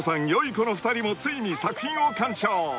この２人もついに作品を鑑賞］